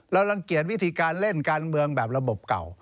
รังเกียจวิธีการเล่นการเมืองแบบระบบเก่า